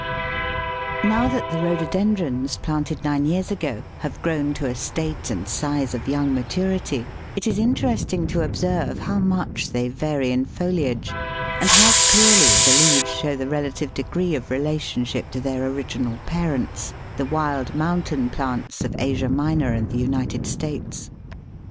Now that the Rhododendrons, planted nine years ago, have grown to a state and size of young maturity, it is interesting to observe how much they vary in foliage, and how clearly the leaves show the relative degree of relationship to their original parents, the wild mountain plants of Asia Minor and the United States.